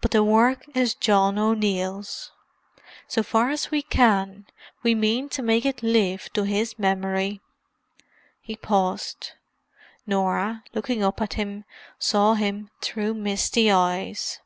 But the work is John O'Neill's. So far as we can, we mean to make it live to his memory." He paused. Norah, looking up at him, saw him through misty eyes.